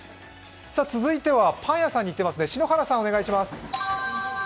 続いてはパン屋さんに行っている篠原さん、お願いします。